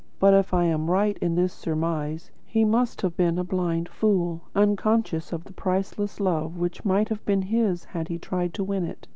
But, if I am right in this surmise, he must have been a blind fool, unconscious of the priceless love which might have been his, had he tried to win it.